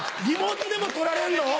リモートでも取られるの？